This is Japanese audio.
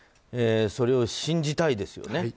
それを信じたいですよね。